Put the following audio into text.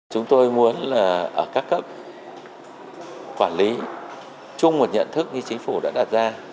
chúng tôi muốn là ở các cấp quản lý chung một nhận thức như chính phủ đã đặt ra